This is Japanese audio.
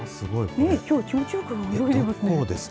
きょう気持ちよく泳いでいますね。